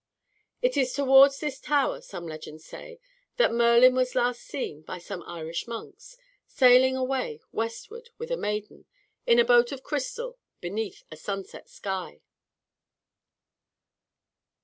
It is towards this tower, some legends say, that Merlin was last seen by some Irish monks, sailing away westward, with a maiden, in a boat of crystal, beneath a sunset sky.